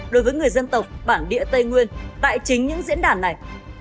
đối với người dân tộc bản địa tây nguyên tại chính những diễn đàn này